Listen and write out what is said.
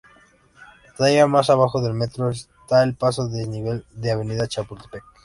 Todavía más abajo del Metro está el paso a desnivel de Avenida Chapultepec.